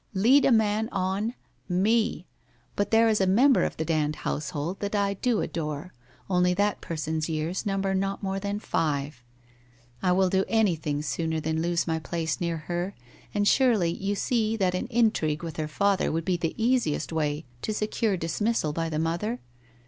Lead a man on! Me! But there is a member of the Dand household that I do adore, only that person's years number not more than five. I will do anything sooner than lose my place near her, and surely, you see that an intrigue with her father would be the easiest way to secure dismissal by the mother?